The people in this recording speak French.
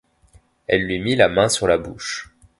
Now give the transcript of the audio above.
Elle lui mit la main sur la bouche.